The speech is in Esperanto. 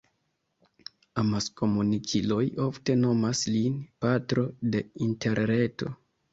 Amaskomunikiloj ofte nomas lin «patro de Interreto».